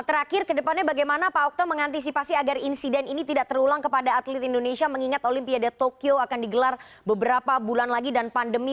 terakhir kedepannya bagaimana pak okto mengantisipasi agar insiden ini tidak terulang kepada atlet indonesia mengingat olimpiade tokyo akan digelar beberapa bulan lagi dan pandemi